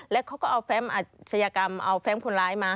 แล้วเขาก็เอาแฟมอาชญากรรมเอาแฟมคนร้ายมา